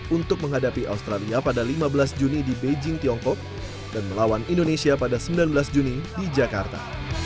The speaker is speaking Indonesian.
untuk menghadapi australia pada lima belas juni di beijing tiongkok dan melawan indonesia pada sembilan belas juni di jakarta